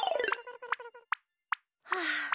はあ。